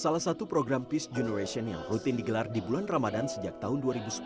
salah satu program peace generation yang rutin digelar di bulan ramadan sejak tahun dua ribu sepuluh